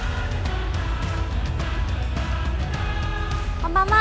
こんばんは。